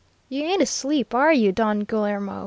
You ain't asleep, are you, Don Guillermo?"